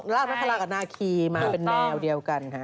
ลาดนักพลากับนาคีมาเป็นแนวเดียวกันค่ะ